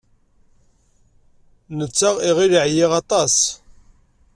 Netta iɣil ɛyiɣ aṭas.